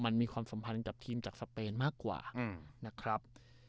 มันมีความสัมพันธ์กับทีมจากสเปนมากกว่านะครับ